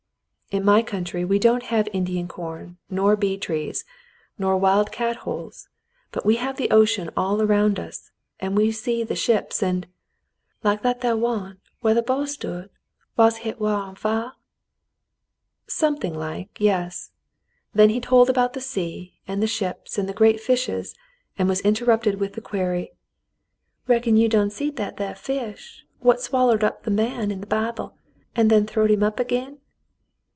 "In my country we don't have Indian corn nor bee trees, nor wild cat holes, but we have the ocean all around us, and we see the ships and —" "Like that thar one whar th' boy stood whilst hit war on fire ?" "Something like, yes." Then he told about the sea and the ships and the great fishes, and was interrupted with the query :— "Reckon you done seed that thar fish what swallered the man in th' Bible an' then th'ow'd him up agin.'